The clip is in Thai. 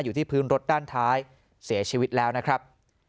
อยู่ที่พื้นรถด้านท้ายเสียชีวิตแล้วนะครับ